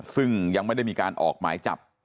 ซึ่งยังไม่ได้มีการออกหมายจับ